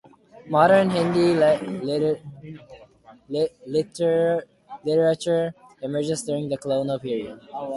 Modern Hindi literature emerges during the Colonial period.